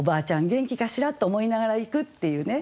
元気かしら？」と思いながら行くっていうね